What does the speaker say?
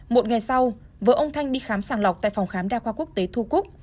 một ngày sau vợ ông thanh đi khám sàng lọc tại phòng khám đa khoa quốc tế thu cúc